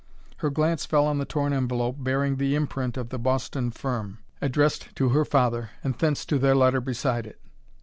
Her glance fell on the torn envelope bearing the imprint of the Boston firm, addressed to her father, and thence to their letter beside it.